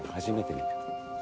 初めて見た。